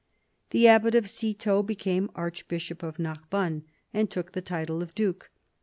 The abbat of Citeaux became archbishop of Narbonne and took the title of duke.